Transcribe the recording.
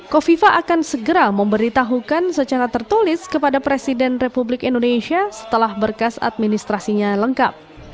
kofifa akan segera memberitahukan secara tertulis kepada presiden republik indonesia setelah berkas administrasinya lengkap